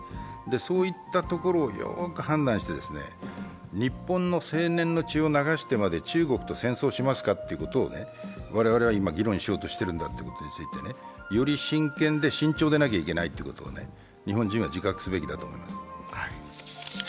そういったところをよく判断して、日本の青年の血を流してまで中国と戦争しますかということを我々は今、議論しようとしているんだということについて、より真剣で慎重でなければいけないことを日本人は自覚すべきだと思います。